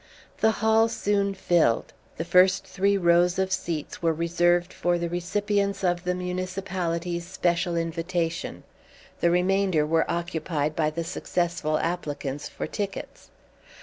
The hall soon filled. The first three rows of seats were reserved for the recipients of the municipality's special invitation; the remainder were occupied by the successful applicants for tickets.